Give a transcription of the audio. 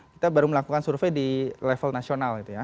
kita baru melakukan survei di level nasional